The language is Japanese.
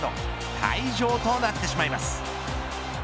退場となってしまいます。